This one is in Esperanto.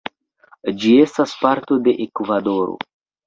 Ĝi estas parto de Ekvadoro.